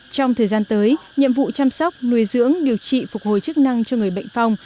trong thời gian tới nhiệm vụ chăm sóc nuôi dưỡng điều trị phục hồi chức năng cho người bệnh phong